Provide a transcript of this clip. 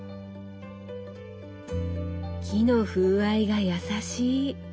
木の風合いが優しい。